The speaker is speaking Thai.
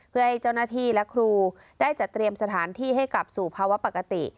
เพื่อให้เจ้าหน้าที่และครูได้จัดเตรียมสถานที่ให้กลับสู่ภาวะปกติ